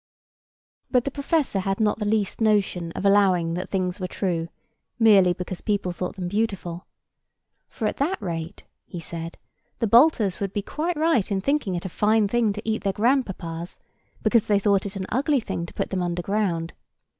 But the professor had not the least notion of allowing that things were true, merely because people thought them beautiful. For at that rate, he said, the Baltas would be quite right in thinking it a fine thing to eat their grandpapas, because they thought it an ugly thing to put them underground.